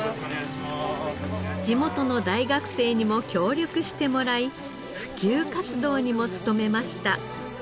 地元の大学生にも協力してもらい普及活動にも努めました。